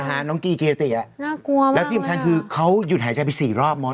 อ่าน้องกีเกียรติอ่ะแล้วที่อำคัญคือเขาหยุดหายใจไป๔รอบหมด